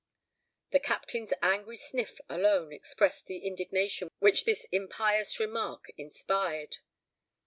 The Captain's angry sniff alone expressed the indignation which this impious remark inspired.